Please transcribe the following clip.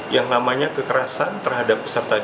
yang namanya kekerasan terhadap peserta didik